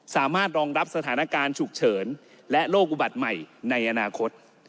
สามารถรองรับสถานการณ์ฉุกเฉินและโรคอุบัติใหม่ในอนาคต